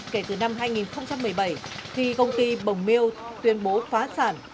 kể từ năm hai nghìn một mươi bảy khi công ty bồng mưu tuyên bố phá sản